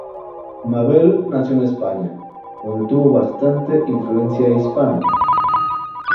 Mabel nació en España, donde tuvo bastante influencia hispana.